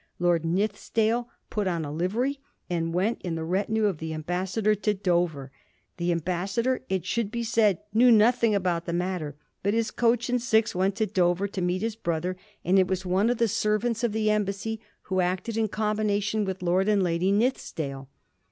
Lord Nithisdale put on a livery, and went in the retinue of the ambassador to Dover. The ambassador, it should be said, knew nothing about the matter, but his coach and six went to Dover to meet his brother ; and it was one of the servants of Digiti zed by Google .^ 186 A mSTORT OF THE POUR GEORGES, ch. rai. the embassy who acted in combination with Lord and Lady Nithisdale.